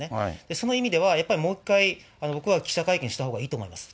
その意味では、やっぱりもう一回、僕は記者会見したほうがいいと思います。